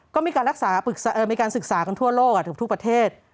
ก็มีการศึกษากันทั่วโลกทุกประเทศ